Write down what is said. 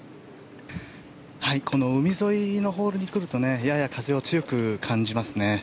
この海沿いのホールに来るとやや風を強く感じますね。